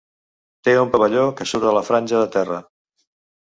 Té un pavelló que surt de la franja de terra.